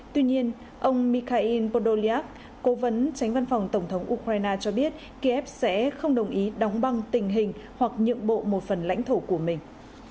tuy nhiên ông mikhail podolyak cố vấn tránh văn phòng tổng thống ukraine cho biết kiev sẽ không đồng ý đóng băng tình hình hoặc nhượng bộ một phần lãnh thổ của mình